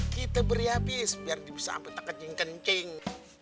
kita beri habis biar dia bisa sampai tekencing kencing